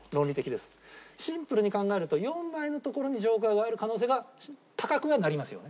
シンプルに考えると４枚のところにＪＯＫＥＲがある可能性が高くはなりますよね？